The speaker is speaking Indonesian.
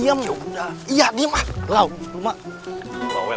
diam ya udah iya di mah lau rumah